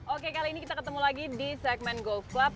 oke kali ini kita ketemu lagi di segmen golf club